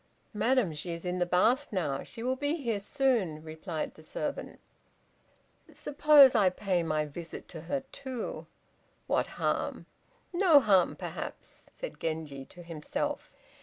"Madam, she is in the bath now, she will be here soon," replied the servant. "Suppose I pay my visit to her, too? What harm! no harm, perhaps," said Genji to himself.